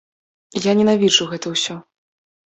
Я ненавіджу гэта ўсё.